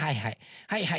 はいはい。